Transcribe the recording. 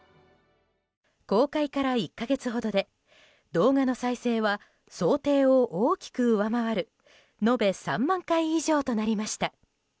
公開から１か月ほどで動画の再生は想定を大きく上回る延べ３万回以上となりました。